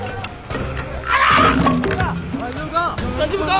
大丈夫か？